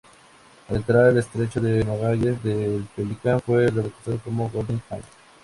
Al entrar al estrecho de Magallanes el Pelican fue rebautizado como Golden Hind.